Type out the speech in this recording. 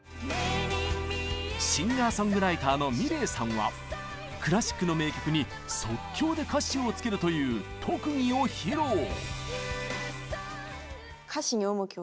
シンガーソングライターのｍｉｌｅｔさんはクラシックの名曲に即興で歌詞を付けるという特技を披露！